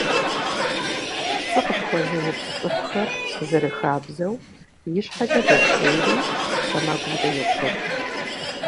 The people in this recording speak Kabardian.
ПцӀы къыфхуэзыупс цӀыхухэр, зэрыхабзэу, ищхьэкӀэ доплъейри, сэмэгумкӀэ йоплъэкӀ.